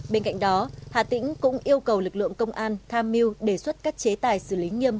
bên cạnh đó hà tĩnh cũng yêu cầu lực lượng công an tham mưu đề xuất các chế tài xử lý nghiêm